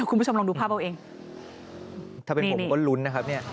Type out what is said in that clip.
คุณผู้ชมลองดูภาพเอาเองถ้าเป็นผมก็ลุ้นนะครับเนี่ย